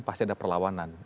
pasti ada perlawanan